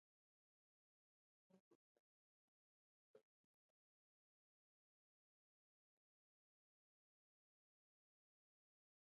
MochiKit forms the foundation of the client-side functionality of the TurboGears Python web-application stack.